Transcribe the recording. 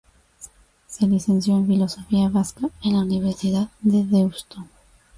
Se licenció en Filología Vasca en la Universidad de Deusto.